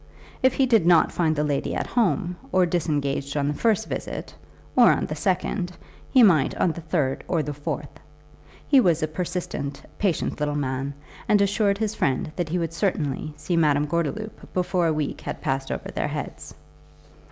If he did not find the lady at home or disengaged on the first visit, or on the second, he might on the third or the fourth. He was a persistent, patient little man, and assured his friend that he would certainly see Madame Gordeloup before a week had passed over their heads.